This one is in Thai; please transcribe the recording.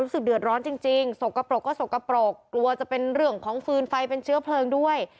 รู้สึกเดือดร้อนจริงสกปรกก็สกปรกกลัวจะเป็นเรื่องของฟืนไฟเป็นเชื้อเพลิงด้วย